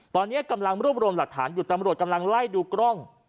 ตอนนี้กำลังรวบรวมหลักฐานอยู่ตำรวจกำลังไล่ดูกล้อง